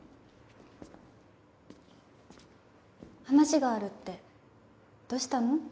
話があるってどうしたの？